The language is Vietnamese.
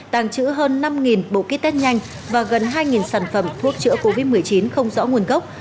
tàng trữ hơn năm bộ kit test nhanh và gần hai sản phẩm thuốc chữa covid một mươi chín không rõ nguồn gốc